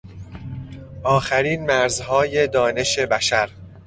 آخرین مرزهای دانش بشر